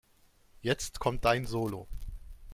Jetzt kommt dein Solo.